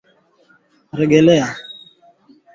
Hutoaji wa chanjo mara mbili kwa mwaka hutoa kinga imara